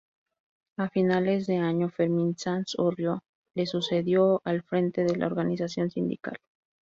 A finales de año Fermín Sanz-Orrio le sucedió al frente de la Organización Sindical.